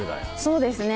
そうですね